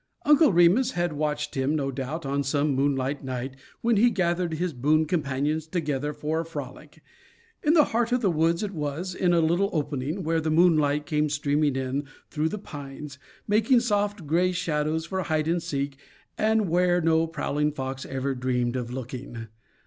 Uncle Remus had watched him, no doubt, on some moonlight night when he gathered his boon companions together for a frolic. In the heart of the woods it was, in a little opening where the moonlight came streaming in through the pines, making soft gray shadows for hide and seek, and where no prowling fox ever dreamed of looking.